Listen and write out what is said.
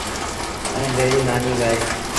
ائيٚݩٚ ڀيڙيٚ مآݩيٚ با اهي۔